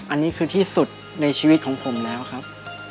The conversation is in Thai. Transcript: อันนี้คือที่สุดในชีวิตของผมแล้วครับ